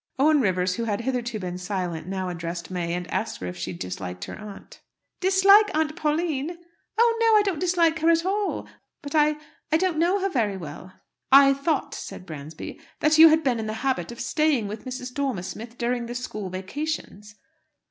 Owen Rivers, who had hitherto been silent, now addressed May, and asked her if she disliked her aunt. "Dislike Aunt Pauline? Oh no; I don't dislike her at all. But I I don't know her very well." "I thought," said Bransby, "that you had been in the habit of staying with Mrs. Dormer Smith during the school vacations?"